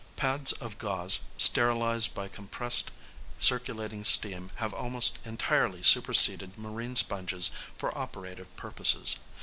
Pads of Gauze sterilised by compressed circulating steam have almost entirely superseded marine sponges for operative purposes.